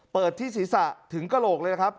ที่ศีรษะถึงกระโหลกเลยนะครับ